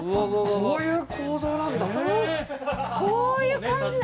こういう構造なんだ！